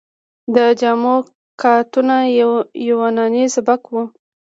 د جامو کاتونه یوناني سبک و